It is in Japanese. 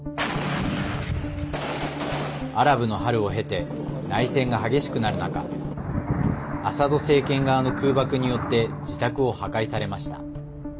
アラブの春を経て内戦が激しくなる中アサド政権側の空爆によって自宅を破壊されました。